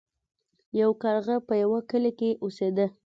یو کارغه په یوه کلي کې اوسیده.